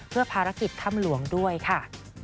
เพื่อภารกิจถ้ำหลวงด้วยค่ะ